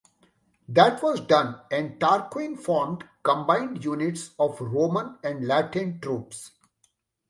That was done, and Tarquin formed combined units of Roman and Latin troops.